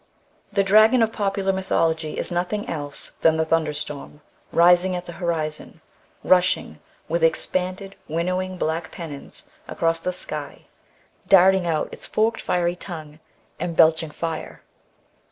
The dragon of popular mythology is nothing else than the thunderstorm, rising at the horizon, rushing with expanded, winnowing, black pennons across the sky, darting out its forked fiery tongue, and belching fire.